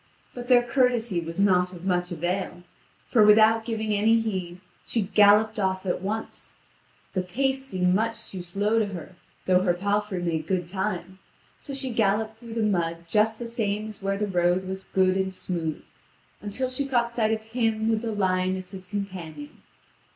But their courtesy was not of much avail; for, without giving any heed, she galloped off at once. The pace seemed much too slow to her, though her palfrey made good time. So she galloped through the mud just the same as where the road was good and smooth, until she caught sight of him with the lion as his companion.